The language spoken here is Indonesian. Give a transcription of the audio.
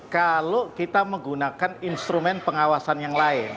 kalau kita menggunakan instrumen pengawasan yang lain